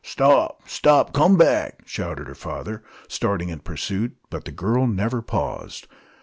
"Stop! stop! Come back!" shouted her father, starting in pursuit. But the girl never paused.